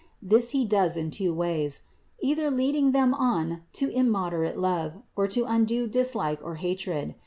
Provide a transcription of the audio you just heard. This he does in two ways : either leading them on to immoderate love, or to undue dislike or hatred.